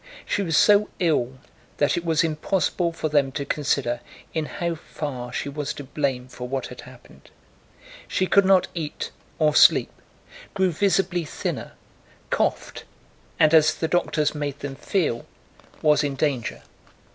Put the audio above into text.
She was so ill that it was impossible for them to consider in how far she was to blame for what had happened. She could not eat or sleep, grew visibly thinner, coughed, and, as the doctors made them feel, was in danger.